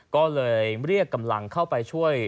ก็เลยเรียกกำลังเข้าไปช่วย